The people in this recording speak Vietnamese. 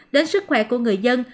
đến sức khỏe của người dân